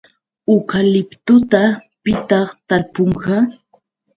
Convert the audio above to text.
¿Ukaliptuta pitaq tarpunqa?